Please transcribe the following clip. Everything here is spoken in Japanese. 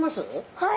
はい。